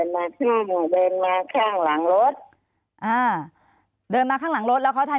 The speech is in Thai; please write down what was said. มาข้างอ่ะเดินมาข้างหลังรถอ่าเดินมาข้างหลังรถแล้วเขาทำ